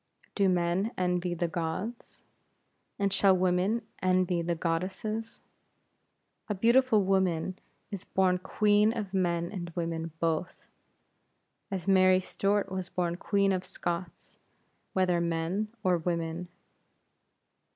Do men envy the gods? And shall women envy the goddesses? A beautiful woman is born Queen of men and women both, as Mary Stuart was born Queen of Scots, whether men or women.